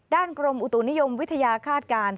กรมอุตุนิยมวิทยาคาดการณ์